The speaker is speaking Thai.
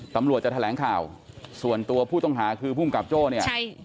ตำรวจจะแถลงข่าวส่วนตัวผู้ต้องหาคือภูมิกับโจ้เนี่ยใช่